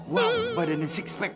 wow badannya six pack